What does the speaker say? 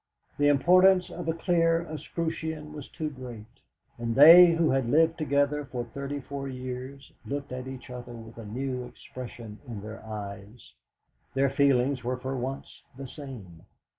The importance of a clear escutcheon was too great. And they who had lived together for thirty four years looked at each other with a new expression in their eyes; their feelings were for once the same.